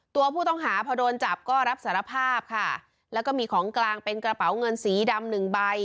ตัวผู้ต้องหาพอโดนจับก็รับสารภาพค่ะแล้วก็มีของกลางเป็นกระเป๋าเงินสีดำหนึ่งใบ